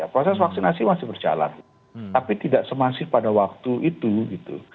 proses vaksinasi masih berjalan tapi tidak semasif pada waktu itu gitu